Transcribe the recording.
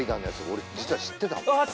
俺実は知ってたのああ